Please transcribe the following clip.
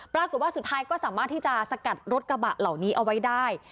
ปรากฏว่าสุดท้ายก็สามารถที่จะสกัดรถกระบะเหล่านี้เอาไว้ได้